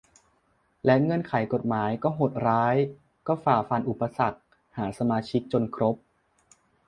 และเงื่อนไขกฎหมายที่โหดร้ายก็ฝ่าฟันอุปสรรคหาสมาชิกจนครบ